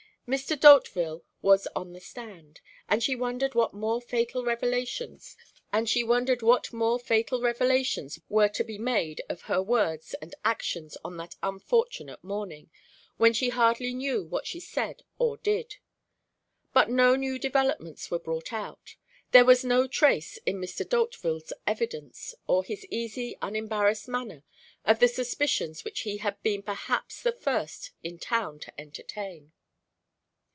Mr. D'Hauteville was on the stand, and she wondered what more fatal revelations were to be made of her words and actions on that unfortunate morning, when she hardly knew what she said or did. But no new developments were brought out. There was no trace in Mr. D'Hauteville's evidence or his easy, unembarrassed manner of the suspicions which he had been perhaps the first person in town to entertain.